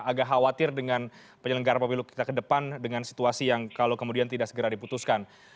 agak khawatir dengan penyelenggara pemilu kita ke depan dengan situasi yang kalau kemudian tidak segera diputuskan